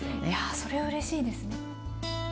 それうれしいですね。